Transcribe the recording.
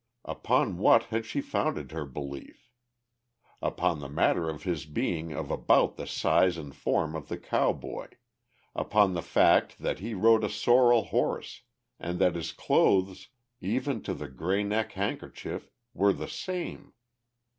Upon what had she founded her belief? Upon the matter of his being of about the size and form of the cowboy, upon the fact that he rode a sorrel horse and that his clothes, even to the grey neck handkerchief, were the same!